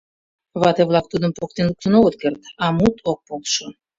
— Вате-влак тудым поктен луктын огыт керт, а мут ок полшо.